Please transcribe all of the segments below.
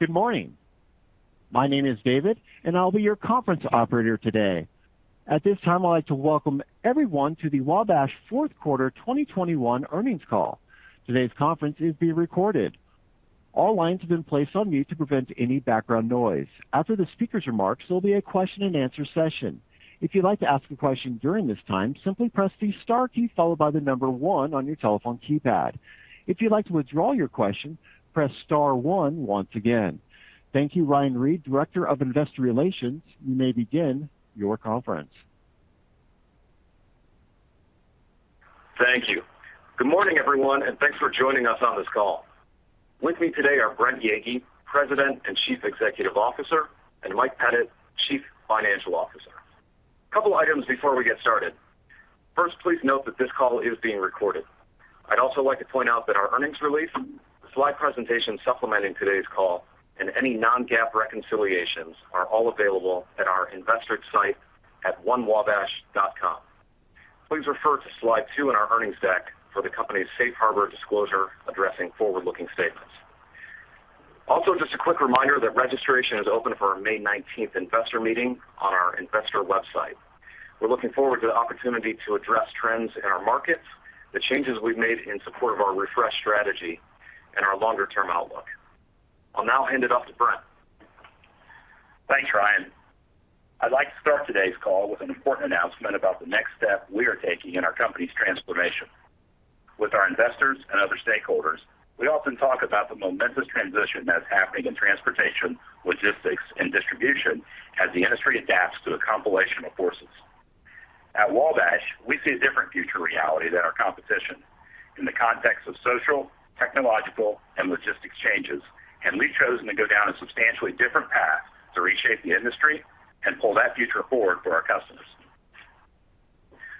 Good morning. My name is David, and I'll be your conference operator today. At this time, I'd like to welcome everyone to the Wabash Q4 2021 earnings call. Today's conference is being recorded. All lines have been placed on mute to prevent any background noise. After the speaker's remarks, there'll be a question-and-answer session. If you'd like to ask a question during this time, simply press the star key followed by the number 1 on your telephone keypad. If you'd like to withdraw your question, press star 1 once again. Thank you, Ryan Reed, Director of Investor Relations. You may begin your conference. Thank you. Good morning, everyone, and thanks for joining us on this call. With me today are Brent Yeagy, President and Chief Executive Officer, and Mike Pettit, Chief Financial Officer. A couple items before we get started. First, please note that this call is being recorded. I'd also like to point out that our earnings release, the slide presentation supplementing today's call, and any non-GAAP reconciliations are all available at our investor site at onewabash.com. Please refer to slide two in our earnings deck for the company's safe harbor disclosure addressing forward-looking statements. Also, just a quick reminder that registration is open for our May nineteenth investor meeting on our investor website. We're looking forward to the opportunity to address trends in our markets, the changes we've made in support of our refresh strategy and our longer-term outlook. I'll now hand it off to Brent. Thanks, Ryan. I'd like to start today's call with an important announcement about the next step we are taking in our company's transformation. With our investors and other stakeholders, we often talk about the momentous transition that's happening in transportation, logistics, and distribution as the industry adapts to a compilation of forces. At Wabash, we see a different future reality than our competition in the context of social, technological, and logistics changes, and we've chosen to go down a substantially different path to reshape the industry and pull that future forward for our customers.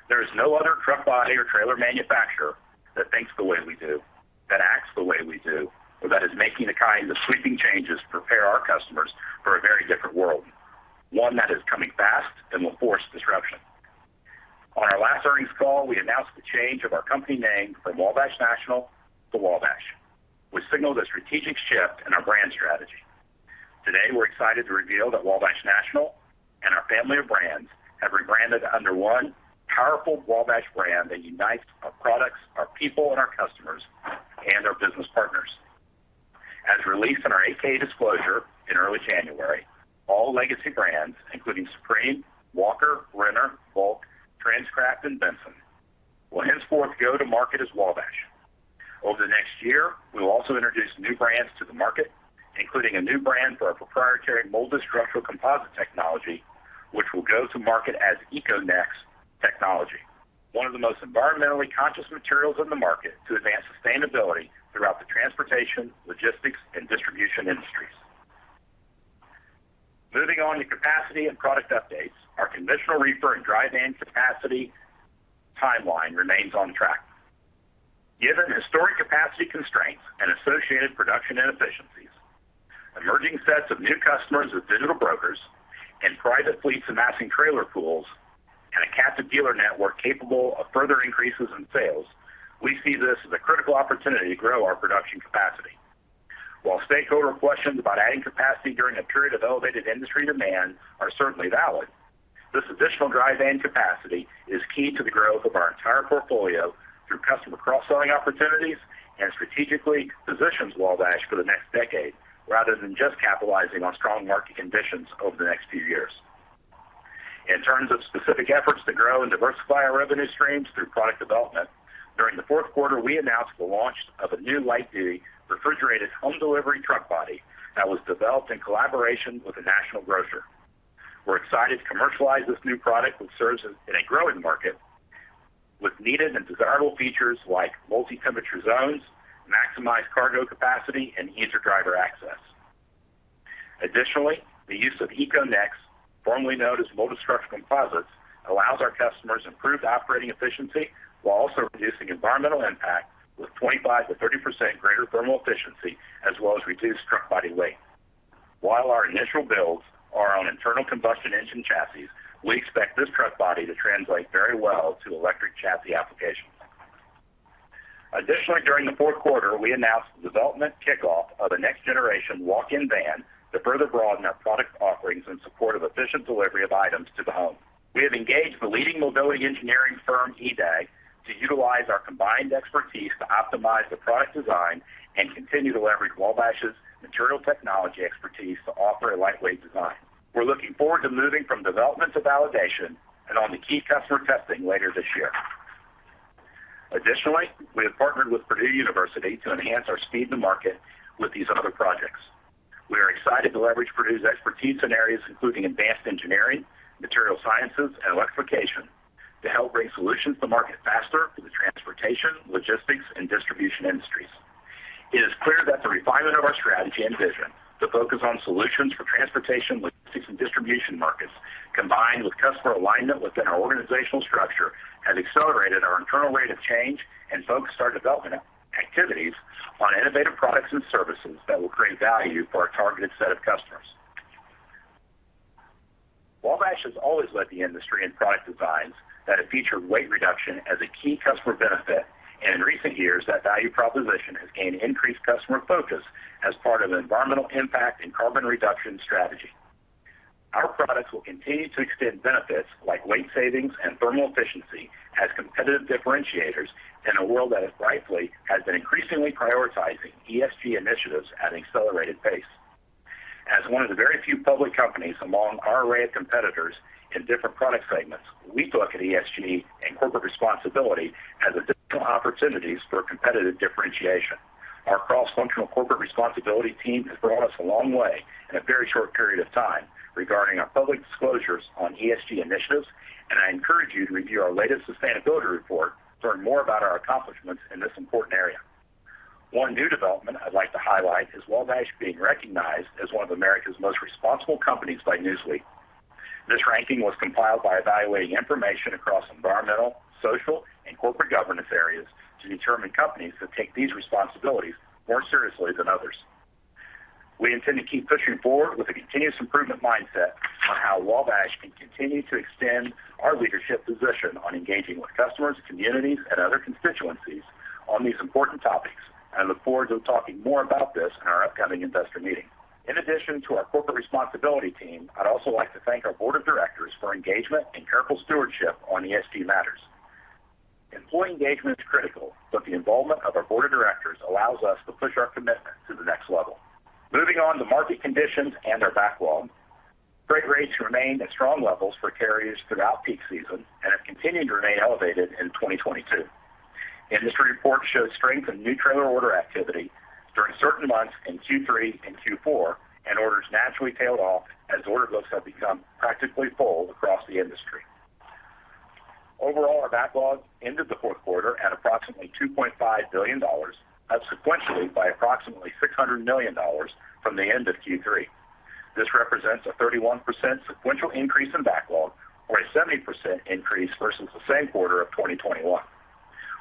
There is no other truck body or trailer manufacturer that thinks the way we do, that acts the way we do, or that is making the kinds of sweeping changes to prepare our customers for a very different world, one that is coming fast and will force disruption. On our last earnings call, we announced the change of our company name from Wabash National to Wabash. We signaled a strategic shift in our brand strategy. Today, we're excited to reveal that Wabash National and our family of brands have rebranded under one powerful Wabash brand that unites our products, our people, and our customers and our business partners. As released in our 8-K disclosure in early January, all legacy brands, including Supreme, Walker, Brenner, Bulk, Transcraft, and Benson, will henceforth go to market as Wabash. Over the next year, we will also introduce new brands to the market, including a new brand for our proprietary molded structural composite technology, which will go to market as EcoNex technology, one of the most environmentally conscious materials on the market to advance sustainability throughout the transportation, logistics, and distribution industries. Moving on to capacity and product updates. Our conventional reefer and dry van capacity timeline remains on track. Given historic capacity constraints and associated production inefficiencies, emerging sets of new customers with digital brokers and private fleets amassing trailer pools and a captive dealer network capable of further increases in sales, we see this as a critical opportunity to grow our production capacity. While stakeholder questions about adding capacity during a period of elevated industry demand are certainly valid, this additional drive and capacity is key to the growth of our entire portfolio through customer cross-selling opportunities and strategically positions Wabash for the next decade rather than just capitalizing on strong market conditions over the next few years. In terms of specific efforts to grow and diversify our revenue streams through product development, during the Q4, we announced the launch of a new light duty refrigerated home delivery truck body that was developed in collaboration with a national grocer. We're excited to commercialize this new product, which serves in a growing market with needed and desirable features like multi-temperature zones, maximized cargo capacity, and easier driver access. Additionally, the use of EcoNex, formerly known as Molded Structural Composites, allows our customers improved operating efficiency while also reducing environmental impact with 25%-30% greater thermal efficiency as well as reduced truck body weight. While our initial builds are on internal combustion engine chassis, we expect this truck body to translate very well to electric chassis applications. Additionally, during the Q4, we announced the development kickoff of a next-generation walk-in van to further broaden our product offerings in support of efficient delivery of items to the home. We have engaged the leading mobility engineering firm, EDAG, to utilize our combined expertise to optimize the product design and continue to leverage Wabash's material technology expertise to offer a lightweight design. We're looking forward to moving from development to validation and on to key customer testing later this year. Additionally, we have partnered with Purdue University to enhance our speed to market with these other projects. We are excited to leverage Purdue's expertise in areas including advanced engineering, material sciences, and electrification to help bring solutions to market faster for the transportation, logistics, and distribution industries. It is clear that the refinement of our strategy and vision to focus on solutions for transportation, logistics, and distribution markets, combined with customer alignment within our organizational structure, has accelerated our internal rate of change and focused our development activities on innovative products and services that will create value for our targeted set of customers. Wabash has always led the industry in product designs that have featured weight reduction as a key customer benefit. In recent years, that value proposition has gained increased customer focus as part of an environmental impact and carbon reduction strategy. Our products will continue to extend benefits like weight savings and thermal efficiency as competitive differentiators in a world that rightly has been increasingly prioritizing ESG initiatives at an accelerated pace. As one of the very few public companies among our array of competitors in different product segments, we look at ESG and corporate responsibility as additional opportunities for competitive differentiation. Our cross-functional corporate responsibility team has brought us a long way in a very short period of time regarding our public disclosures on ESG initiatives, and I encourage you to review our latest sustainability report to learn more about our accomplishments in this important area. One new development I'd like to highlight is Wabash being recognized as one of America's most responsible companies by Newsweek. This ranking was compiled by evaluating information across environmental, social, and corporate governance areas to determine companies that take these responsibilities more seriously than others. We intend to keep pushing forward with a continuous improvement mindset on how Wabash can continue to extend our leadership position on engaging with customers, communities, and other constituencies on these important topics. I look forward to talking more about this in our upcoming investor meeting. In addition to our corporate responsibility team, I'd also like to thank our board of directors for engagement and careful stewardship on ESG matters. Employee engagement is critical, but the involvement of our board of directors allows us to push our commitment to the next level. Moving on to market conditions and our backlog. Freight rates remained at strong levels for carriers throughout peak season and have continued to remain elevated in 2022. Industry reports showed strength in new trailer order activity during certain months in Q3 and Q4, and orders naturally tailed off as order books have become practically full across the industry. Overall, our backlog ended the Q4 at approximately $2.5 billion, up sequentially by approximately $600 million from the end of Q3. This represents a 31% sequential increase in backlog or a 70% increase versus the same quarter of 2021.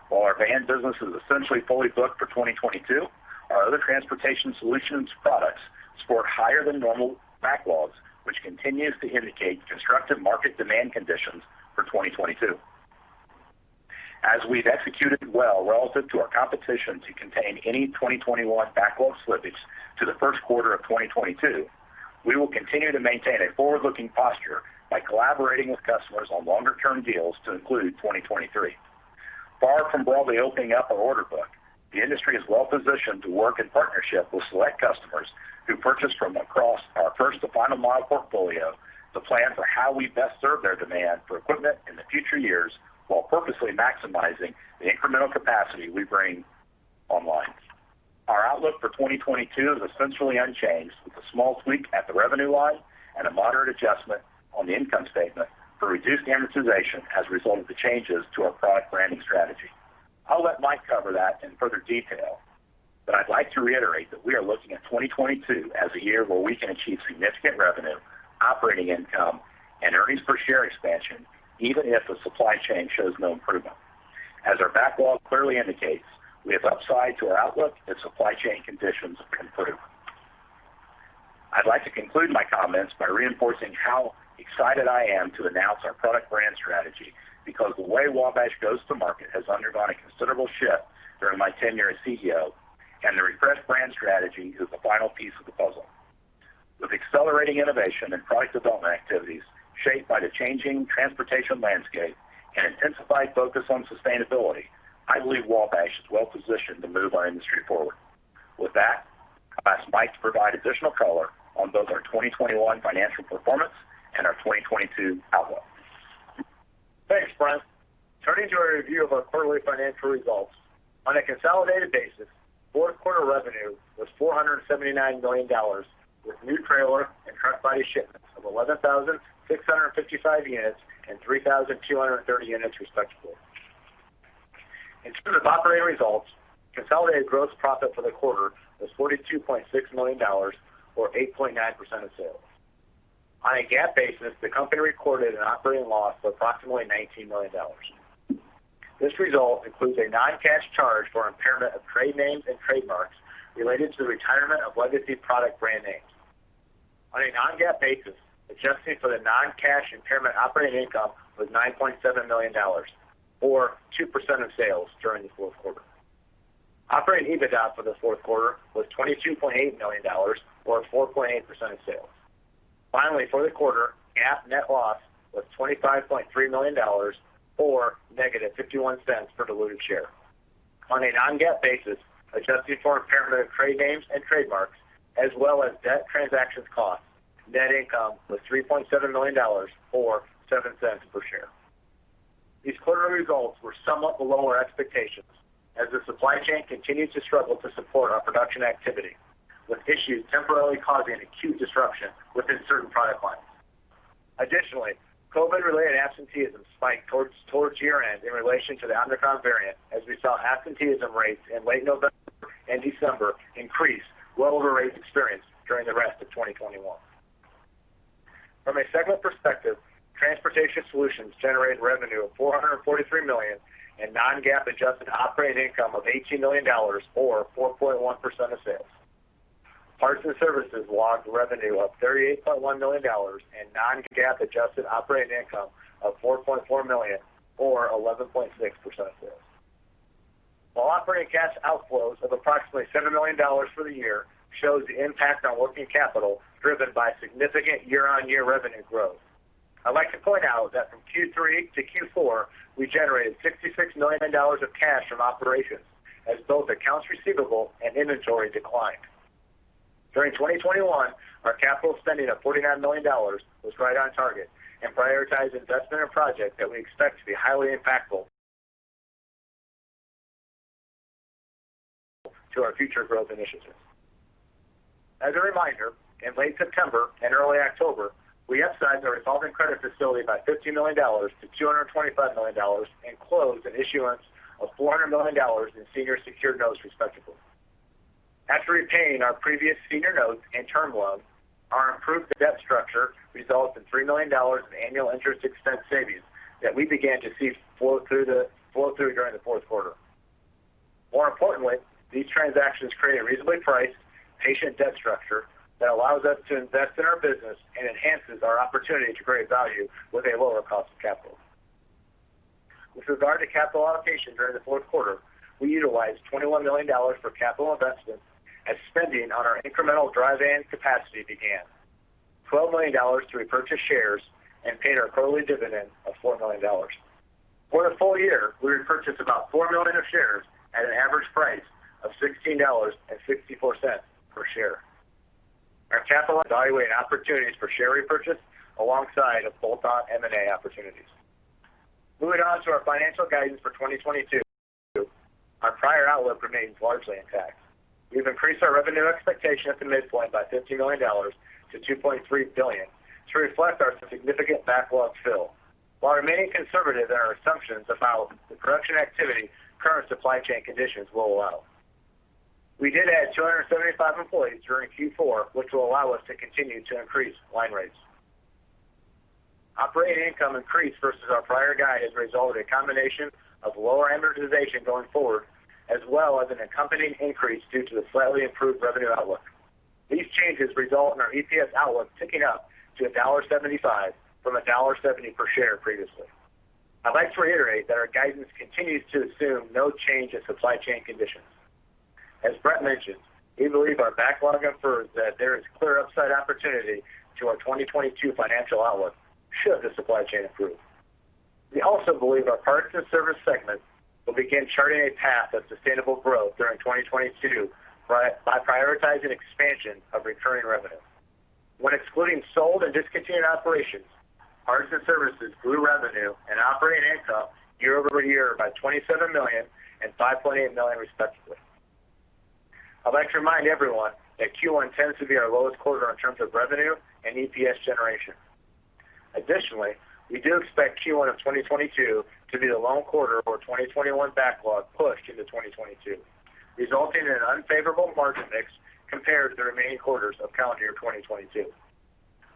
While our van business is essentially fully booked for 2022, our other Transportation Solutions products sport higher than normal backlogs, which continues to indicate constructive market demand conditions for 2022. As we've executed well relative to our competition to contain any 2021 backlog slippage to the Q1 of 2022, we will continue to maintain a forward-looking posture by collaborating with customers on longer-term deals to include 2023. Far from broadly opening up our order book, the industry is well positioned to work in partnership with select customers who purchase from across our first-to-final mile portfolio to plan for how we best serve their demand for equipment in the future years, while purposely maximizing the incremental capacity we bring online. Our outlook for 2022 is essentially unchanged, with a small tweak at the revenue line and a moderate adjustment on the income statement for reduced amortization as a result of the changes to our product branding strategy. I'll let Mike cover that in further detail, but I'd like to reiterate that we are looking at 2022 as a year where we can achieve significant revenue, operating income, and earnings per share expansion, even if the supply chain shows no improvement. As our backlog clearly indicates, we have upside to our outlook if supply chain conditions improve. I'd like to conclude my comments by reinforcing how excited I am to announce our product brand strategy, because the way Wabash goes to market has undergone a considerable shift during my tenure as CEO, and the refreshed brand strategy is the final piece of the puzzle. With accelerating innovation and product development activities shaped by the changing transportation landscape and intensified focus on sustainability, I believe Wabash is well positioned to move our industry forward. With that, I'll ask Mike to provide additional color on both our 2021 financial performance and our 2022 outlook. Thanks, Brent. Turning to a review of our quarterly financial results. On a consolidated basis, Q4 revenue was $479 million, with new trailer and truck body shipments of 11,655 units and 3,230 units, respectively. In terms of operating results, consolidated gross profit for the quarter was $42.6 million or 8.9% of sales. On a GAAP basis, the company recorded an operating loss of approximately $19 million. This result includes a non-cash charge for impairment of trade names and trademarks related to the retirement of legacy product brand names. On a non-GAAP basis, adjusting for the non-cash impairment, operating income was $9.7 million or 2% of sales during the Q4. Operating EBITDA for the Q4 was $22.8 million or 4.8% of sales. Finally, for the quarter, GAAP net loss was $25.3 million or -$0.51 per diluted share. On a non-GAAP basis, adjusted for impairment of trade names and trademarks, as well as debt transactions costs, net income was $3.7 million or $0.07 per share. These quarterly results were somewhat below our expectations as the supply chain continues to struggle to support our production activity, with issues temporarily causing acute disruption within certain product lines. Additionally, COVID-related absenteeism spiked towards year-end in relation to the Omicron variant, as we saw absenteeism rates in late November and December increase well over rates experienced during the rest of 2021. From a segment perspective, Transportation Solutions generated revenue of $443 million and non-GAAP adjusted operating income of $18 million or 4.1% of sales. Parts & Services logged revenue of $38.1 million and non-GAAP adjusted operating income of $4.4 million or 11.6% of sales. While operating cash outflows of approximately $7 million for the year shows the impact on working capital driven by significant year-on-year revenue growth. I'd like to point out that from Q3 to Q4, we generated $66 million of cash from operations as both accounts receivable and inventory declined. During 2021, our capital spending of $49 million was right on target and prioritized investment and project that we expect to be highly impactful to our future growth initiatives. As a reminder, in late September and early October, we upsized our revolving credit facility by $15 million to $225 million and closed an issuance of $400 million in senior secured notes respectively. After repaying our previous senior notes and term loan, our improved debt structure results in $3 million in annual interest expense savings that we began to see flow through during the Q4. More importantly, these transactions create a reasonably priced patient debt structure that allows us to invest in our business and enhances our opportunity to create value with a lower cost of capital. With regard to capital allocation during the Q4, we utilized $21 million for capital investments as spending on our incremental dry van capacity began. $12 million to repurchase shares and paid our quarterly dividend of $4 million. For the full year, we repurchased about 4 million shares at an average price of $16.64 per share. Our capital allocation evaluates opportunities for share repurchase alongside bolt-on M&A opportunities. Moving on to our financial guidance for 2022, our prior outlook remains largely intact. We've increased our revenue expectation at the midpoint by $15 million to $2.3 billion to reflect our significant backlog fill. While remaining conservative in our assumptions about the production activity that current supply chain conditions will allow, we did add 275 employees during Q4, which will allow us to continue to increase line rates. Operating income increase versus our prior guide has resulted from a combination of lower amortization going forward, as well as an accompanying increase due to the slightly improved revenue outlook. These changes result in our EPS outlook ticking up to $1.75 from $1.70 per share previously. I'd like to reiterate that our guidance continues to assume no change in supply chain conditions. As Brent mentioned, we believe our backlog confirms that there is clear upside opportunity to our 2022 financial outlook should the supply chain improve. We also believe our Parts and Services segment will begin charting a path of sustainable growth during 2022 by prioritizing expansion of recurring revenue. When excluding sold and discontinued operations, Parts and Services grew revenue and operating income year-over-year by $27 million and $5.8 million, respectively. I'd like to remind everyone that Q1 tends to be our lowest quarter in terms of revenue and EPS generation. Additionally, we do expect Q1 of 2022 to be the lone quarter of our 2021 backlog pushed into 2022, resulting in an unfavorable margin mix compared to the remaining quarters of calendar year 2022.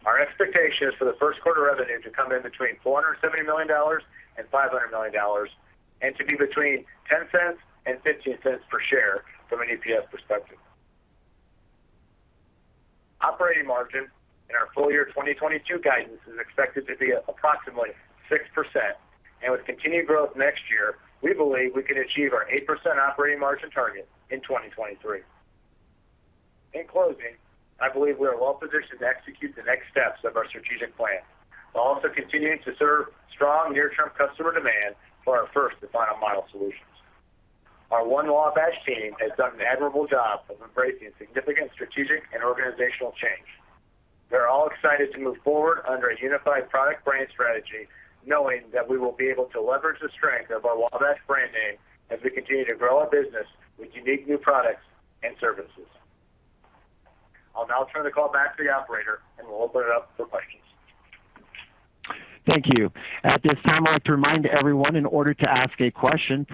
Our expectation is for the Q1 revenue to come in between $470 million and $500 million, and to be between $0.10 and $0.15 per share from an EPS perspective. Operating margin in our full year 2022 guidance is expected to be approximately 6%, and with continued growth next year, we believe we can achieve our 8% operating margin target in 2023. In closing, I believe we are well-positioned to execute the next steps of our strategic plan, while also continuing to serve strong near-term customer demand for our first-to-final mile solutions. Our One Wabash team has done an admirable job of embracing significant strategic and organizational change. They're all excited to move forward under a unified product brand strategy, knowing that we will be able to leverage the strength of our Wabash brand name as we continue to grow our business with unique new products and services. I'll now turn the call back to the operator, and we'll open it up for questions. Thank you. At this time, I'd like to remind everyone in order to ask a question,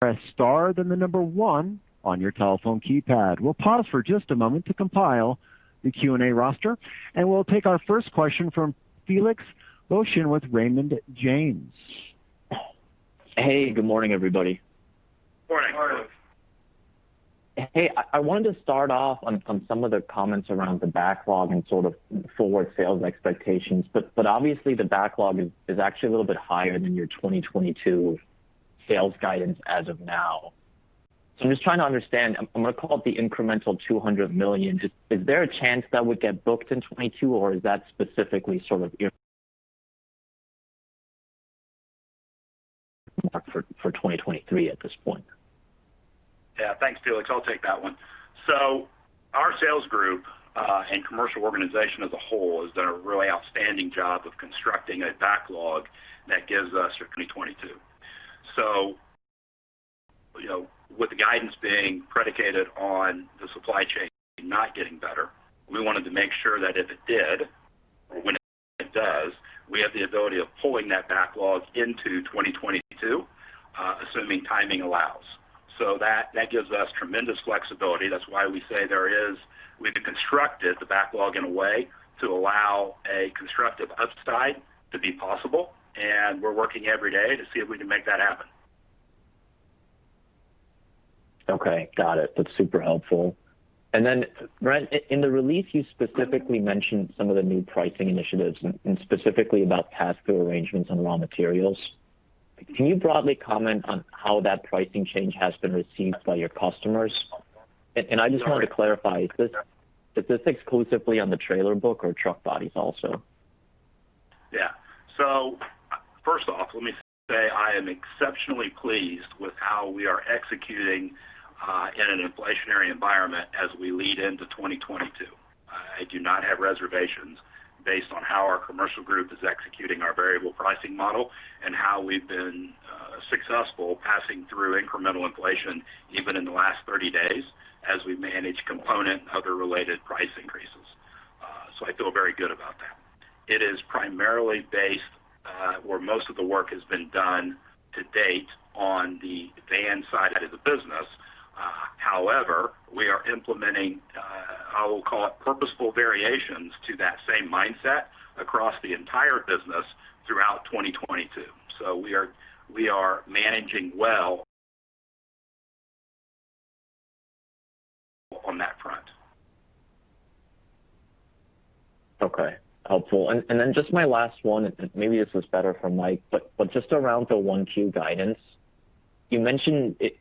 press star then the number one on your telephone keypad. We'll pause for just a moment to compile the Q&A roster, and we'll take our first question from Felix Boeschen with Raymond James. Hey, good morning, everybody. Morning. Morning. Hey, I wanted to start off on some of the comments around the backlog and sort of forward sales expectations. Obviously the backlog is actually a little bit higher than your 2022 sales guidance as of now. I'm just trying to understand. I'm gonna call it the incremental $200 million. Just is there a chance that would get booked in 2022, or is that specifically sort of your for 2023 at this point? Yeah. Thanks, Felix. I'll take that one. Our sales group and commercial organization as a whole has done a really outstanding job of constructing a backlog that gives us for 2022. You know, with the guidance being predicated on the supply chain not getting better, we wanted to make sure that if it did or when it does, we have the ability of pulling that backlog into 2022, assuming timing allows. That gives us tremendous flexibility. That's why we say we've constructed the backlog in a way to allow a constructive upside to be possible, and we're working every day to see if we can make that happen. Okay. Got it. That's super helpful. Then, Brent, in the release, you specifically mentioned some of the new pricing initiatives and specifically about pass-through arrangements on raw materials. Can you broadly comment on how that pricing change has been received by your customers? And I just wanted to clarify, is this exclusively on the trailer book or truck bodies also? Yeah. First off, let me say I am exceptionally pleased with how we are executing in an inflationary environment as we lead into 2022. I do not have reservations based on how our commercial group is executing our variable pricing model and how we've been successful passing through incremental inflation even in the last 30 days as we manage component and other related price increases. I feel very good about that. It is primarily based where most of the work has been done to date on the van side of the business. However, we are implementing, I will call it purposeful variations to that same mindset across the entire business throughout 2022. We are managing well on that front. Okay. Helpful. Then just my last one, maybe this was better for Mike. Just around the 1Q guidance, you mentioned it,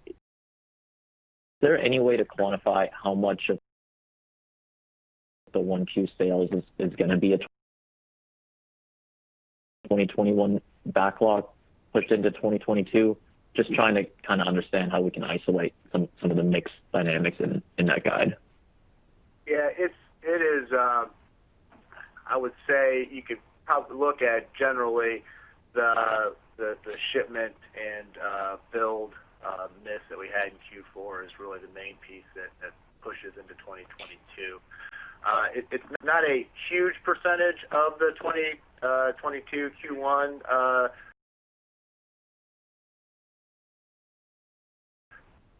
is there any way to quantify how much of the 1Q sales is gonna be a 2021 backlog pushed into 2022? Just trying to kind of understand how we can isolate some of the mix dynamics in that guide. Yeah, it is. I would say you could probably look at generally the shipment and build miss that we had in Q4 is really the main piece that pushes into 2022. It's not a huge percentage of the 2022 Q1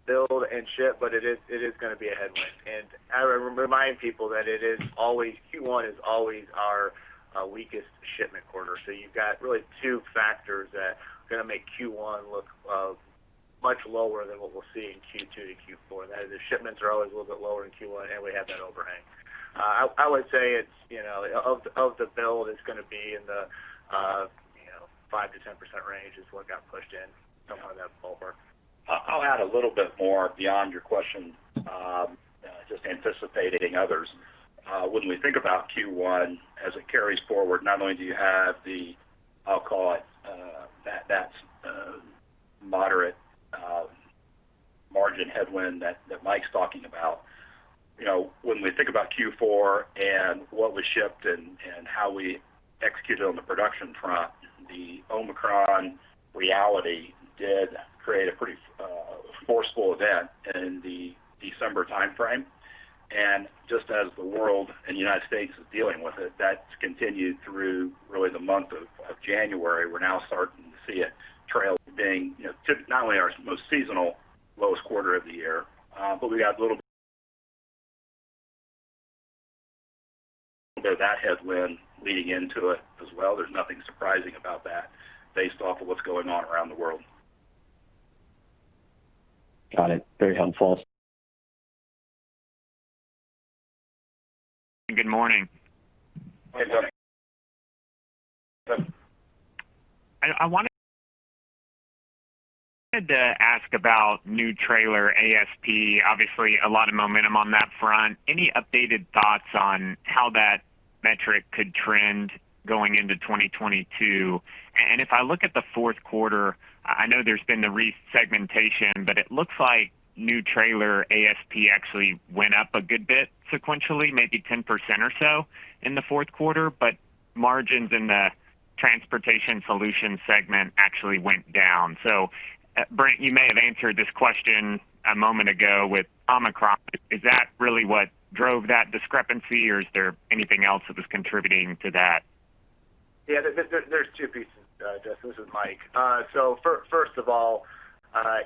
build and ship, but it is gonna be a headwind. I remind people that Q1 is always our weakest shipment quarter. You've got really two factors that are gonna make Q1 look much lower than what we'll see in Q2 to Q4, and that is the shipments are always a little bit lower in Q1, and we have that overhang. I would say it's, you know, of the build is gonna be in the 5%-10% range, you know, is what got pushed in some of that backlog. I'll add a little bit more beyond your question, just anticipating others. When we think about Q1 as it carries forward, not only do you have the, I'll call it, that moderate margin headwind that Mike's talking about. You know, when we think about Q4 and what was shipped and how we executed on the production front, the Omicron reality did create a pretty forceful event in the December timeframe. Just as the world and United States is dealing with it, that's continued through really the month of January. We're now starting to see it trailing, you know, not only our most seasonal lowest quarter of the year, but we got a little bit of that headwind leading into it as well. There's nothing surprising about that based off of what's going on around the world. Got it. Very helpful. Good morning. Hey, Justin. I wanted to ask about new trailer ASP. Obviously, a lot of momentum on that front. Any updated thoughts on how that metric could trend going into 2022? If I look at the Q4, I know there's been the resegmentation, but it looks like new trailer ASP actually went up a good bit sequentially, maybe 10% or so in the Q4. Margins in the Transportation Solutions segment actually went down. Brent, you may have answered this question a moment ago with Omicron. Is that really what drove that discrepancy, or is there anything else that was contributing to that? Yeah. There's two pieces, Justin. This is Mike. First of all,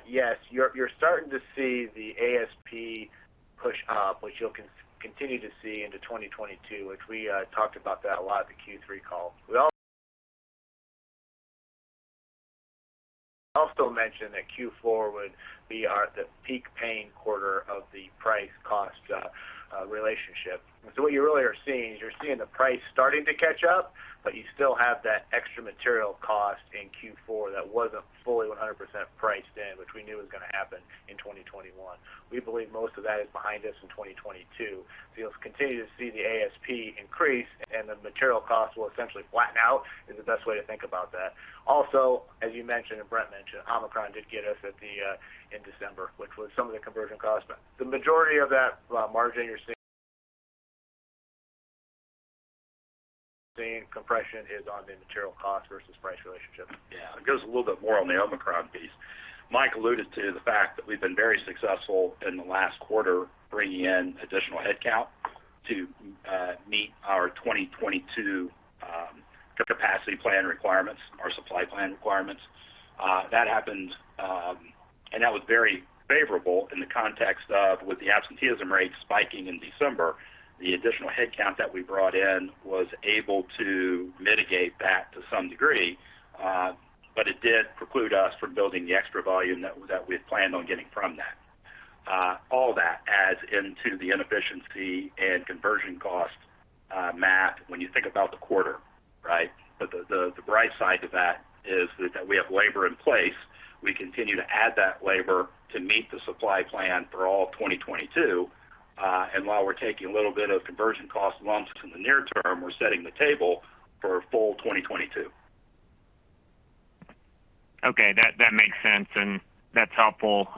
yes, you're starting to see the ASP push up, which you'll continue to see into 2022, which we talked about that a lot at the Q3 call. We also mentioned that Q4 would be our the peak paying quarter of the price cost relationship. What you really are seeing is you're seeing the price starting to catch up, but you still have that extra material cost in Q4 that wasn't fully 100% priced in, which we knew was gonna happen in 2021. We believe most of that is behind us in 2022. You'll continue to see the ASP increase, and the material cost will essentially flatten out, is the best way to think about that. Also, as you mentioned and Brent mentioned, Omicron did get us at the end in December, which was some of the conversion costs. The majority of that margin compression you're seeing is on the material cost versus price relationship. Yeah. It goes a little bit more on the Omicron piece. Mike alluded to the fact that we've been very successful in the last quarter bringing in additional headcount to meet our 2022 capacity plan requirements, our supply plan requirements. That happened, and that was very favorable in the context of with the absenteeism rate spiking in December, the additional headcount that we brought in was able to mitigate that to some degree. It did preclude us from building the extra volume that we had planned on getting from that. All that adds into the inefficiency and conversion cost, Justin, when you think about the quarter, right? But the bright side to that is that we have labor in place. We continue to add that labor to meet the supply plan for all of 2022. While we're taking a little bit of conversion cost lumps in the near term, we're setting the table for a full 2022. Okay, that makes sense, and that's helpful.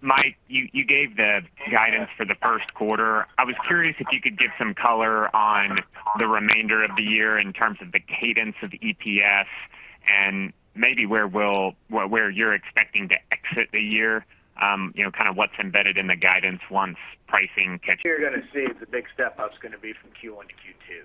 Mike, you gave the guidance for the Q1. I was curious if you could give some color on the remainder of the year in terms of the cadence of EPS and maybe where you're expecting to exit the year. You know, kind of what's embedded in the guidance once pricing catches- What you're gonna see is a big step-up is gonna be from Q1 to Q2.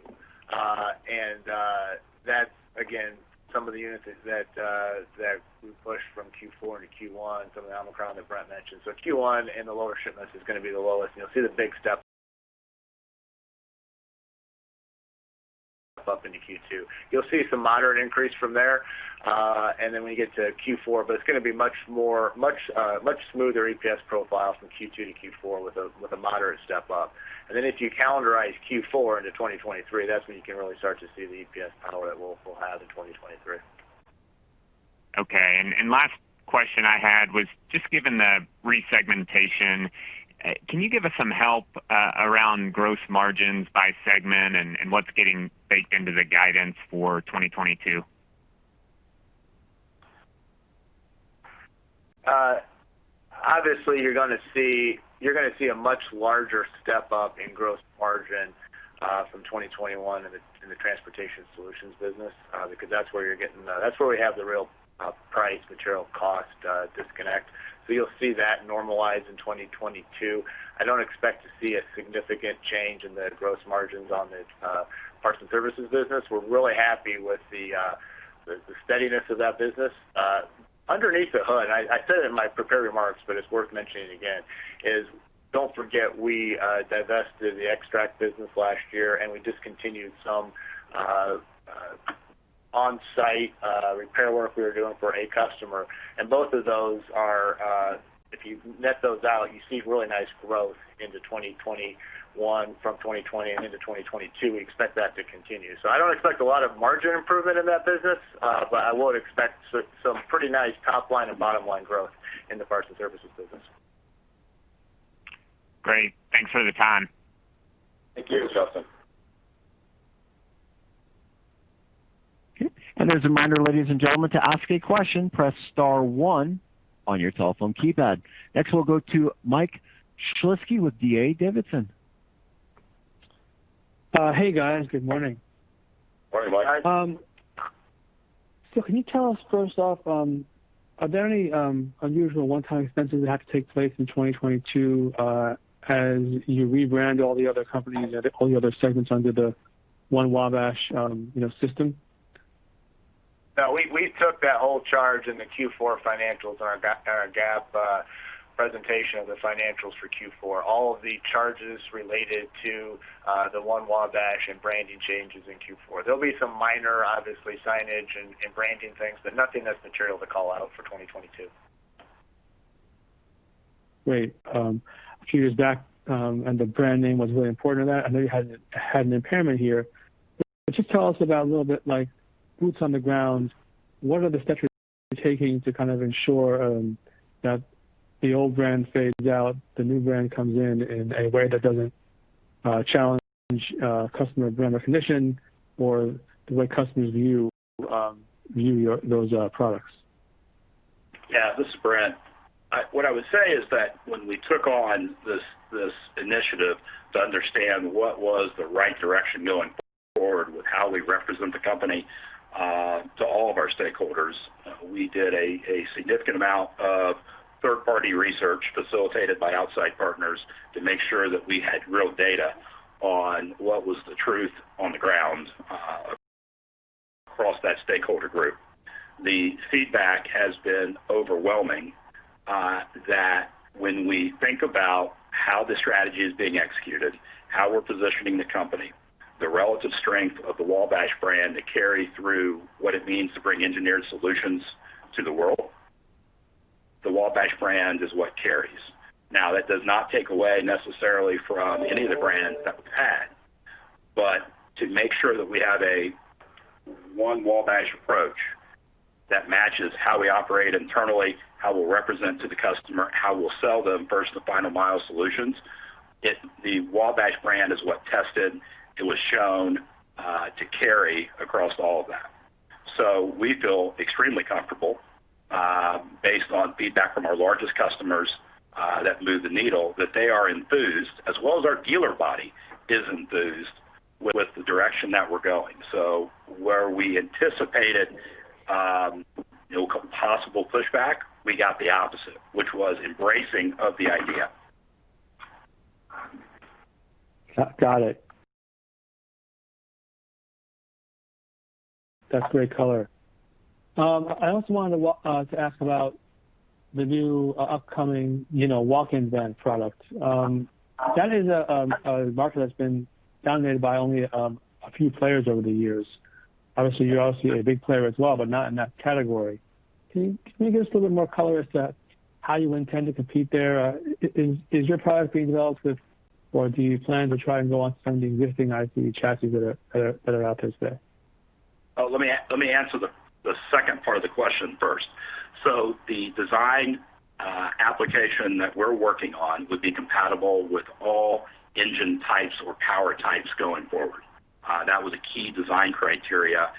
That's again some of the units that we pushed from Q4 to Q1, some of the Omicron that Brent mentioned. Q1 and the lower shipments is gonna be the lowest, and you'll see the big step up into Q2. You'll see some moderate increase from there, and then we get to Q4. It's gonna be much more much smoother EPS profile from Q2 to Q4 with a moderate step up. If you calendarize Q4 into 2023, that's when you can really start to see the EPS power that we'll have in 2023. Okay. Last question I had was just given the re-segmentation, can you give us some help around gross margins by segment and what's getting baked into the guidance for 2022? Obviously you're gonna see a much larger step up in gross margin from 2021 in the Transportation Solutions business because that's where you're getting the that's where we have the real price material cost disconnect. You'll see that normalize in 2022. I don't expect to see a significant change in the gross margins on the Parts & Services business. We're really happy with the steadiness of that business. Underneath the hood, I said it in my prepared remarks, but it's worth mentioning again, don't forget we divested the Extract business last year, and we discontinued some on-site repair work we were doing for a customer. Both of those are, if you net those out, you see really nice growth into 2021 from 2020 and into 2022. We expect that to continue. I don't expect a lot of margin improvement in that business, but I would expect some pretty nice top line and bottom line growth in the Parts and Services business. Great. Thanks for the time. Thank you, Justin. Okay. As a reminder, ladies and gentlemen, to ask a question, press star one on your telephone keypad. Next, we'll go to Mike Shlisky with D.A. Davidson. Hey, guys. Good morning. Morning, Mike. Can you tell us first off, are there any unusual one-time expenses that have to take place in 2022, as you rebrand all the other companies and all the other segments under the One Wabash, you know, system? No. We took that whole charge in the Q4 financials on our GAAP presentation of the financials for Q4. All of the charges related to the One Wabash and branding changes in Q4. There'll be some minor, obviously, signage and branding things, but nothing that's material to call out for 2022. Great. A few years back, the brand name was really important to that. I know you had an impairment here. Just tell us about a little bit like boots on the ground, what are the steps you're taking to kind of ensure that the old brand fades out, the new brand comes in in a way that doesn't challenge customer brand recognition or the way customers view your those products? Yeah. This is Brent. What I would say is that when we took on this initiative to understand what was the right direction going forward with how we represent the company to all of our stakeholders, we did a significant amount of third-party research facilitated by outside partners to make sure that we had real data on what was the truth on the ground across that stakeholder group. The feedback has been overwhelming that when we think about how the strategy is being executed, how we're positioning the company, the relative strength of the Wabash brand to carry through what it means to bring engineered solutions to the world, the Wabash brand is what carries. Now, that does not take away necessarily from any of the brands that we've had. To make sure that we have a One Wabash approach that matches how we operate internally, how we'll represent to the customer, how we'll sell them first-to-final mile solutions, the Wabash brand is what tested. It was shown to carry across all of that. We feel extremely comfortable based on feedback from our largest customers that move the needle, that they are enthused, as well as our dealer body is enthused with the direction that we're going. Where we anticipated you know possible pushback, we got the opposite, which was embracing of the idea. Got it. That's great color. I also wanted to ask about the new, upcoming, you know, walk-in van product. That is a market that's been dominated by only a few players over the years. Obviously, you're also a big player as well, but not in that category. Can you give us a little bit more color as to how you intend to compete there? Is your product being developed with or do you plan to try and go after some of the existing ICE chassis that are out there today? Oh, let me answer the second part of the question first. The design application that we're working on would be compatible with all engine types or power types going forward. That was a key design criteria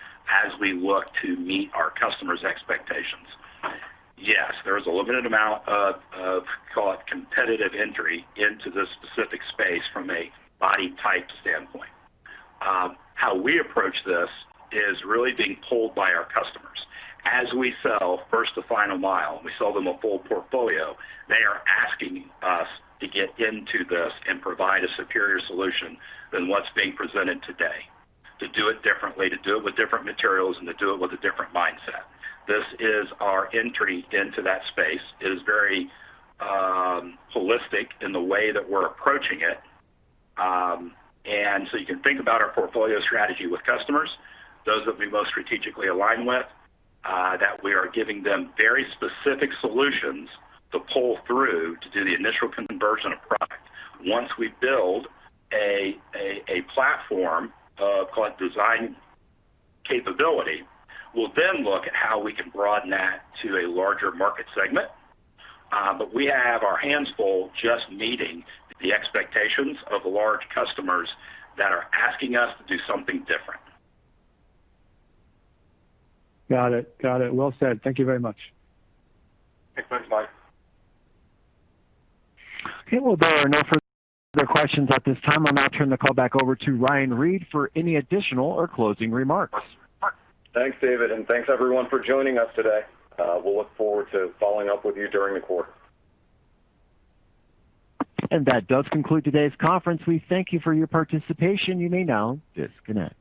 as we look to meet our customers' expectations. Yes, there is a limited amount of, call it, competitive entry into this specific space from a body type standpoint. How we approach this is really being pulled by our customers. As we sell first-to-final mile, and we sell them a full portfolio, they are asking us to get into this and provide a superior solution than what's being presented today, to do it differently, to do it with different materials, and to do it with a different mindset. This is our entry into that space. It is very holistic in the way that we're approaching it. You can think about our portfolio strategy with customers, those that we most strategically align with, that we are giving them very specific solutions to pull through to do the initial conversion of product. Once we build a platform of design capability, we'll then look at how we can broaden that to a larger market segment. We have our hands full just meeting the expectations of large customers that are asking us to do something different. Got it. Got it. Well said. Thank you very much. Thanks. Bye. Okay. Well, there are no further questions at this time. I'll now turn the call back over to Ryan Reed for any additional or closing remarks. Thanks, David, and thanks everyone for joining us today. We'll look forward to following up with you during the quarter. That does conclude today's conference. We thank you for your participation. You may now disconnect.